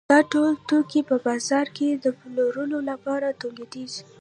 دا ټول توکي په بازار کې د پلورلو لپاره تولیدېږي